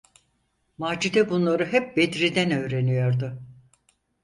Macide bunları hep Bedri’den öğreniyordu.